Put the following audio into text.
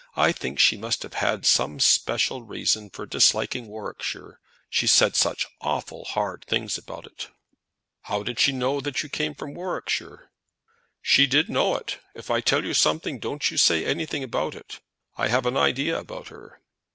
I think she must have had some special reason for disliking Warwickshire, she said such awful hard things about it." "How did she know that you came from Warwickshire?" "She did know it. If I tell you something don't you say anything about it. I have an idea about her."